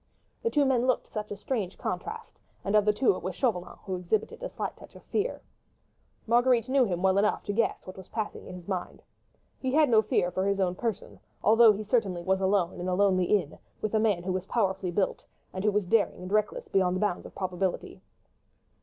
The two men looked such a strange contrast, and of the two it was Chauvelin who exhibited a slight touch of fear. Marguerite knew him well enough to guess what was passing in his mind. He had no fear for his own person, although he certainly was alone in a lonely inn with a man who was powerfully built, and who was daring and reckless beyond the bounds of probability.